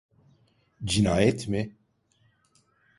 Cinayet mi?